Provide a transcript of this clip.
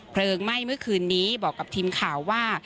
ไหม้เมื่อคืนนี้บอกกับทีมข่าวว่า